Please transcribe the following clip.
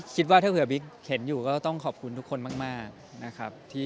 คิดว่าถ้าเผื่อบิ๊กเห็นอยู่ก็ต้องขอบคุณทุกคนมากนะครับ